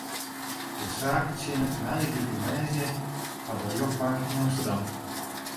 De saak tsjinnet nije wike woansdei foar de rjochtbank yn Amsterdam.